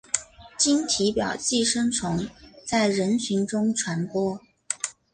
经体表寄生虫在人群中传播。